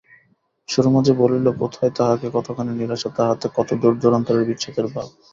সুরমা যে বলিল কোথায়, তাহাতে কতখানি নিরাশা, তাহাতে কত দূর-দূরান্তরের বিচ্ছেদের ভাব!